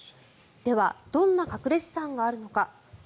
ではどんな隠れ資産があるのか。